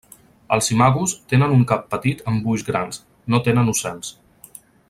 Els imagos tenen un cap petit amb ulls grans, no tenen ocels.